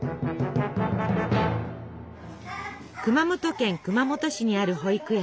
熊本県熊本市にある保育園。